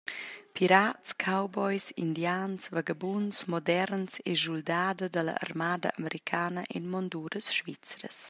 Pirats, cowboys, indians, vagabunds moderns e schuldada dalla armada americana en monduras svizras.